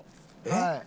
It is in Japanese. えっ？